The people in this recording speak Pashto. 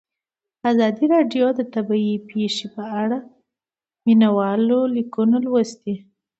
ازادي راډیو د طبیعي پېښې په اړه د مینه والو لیکونه لوستي.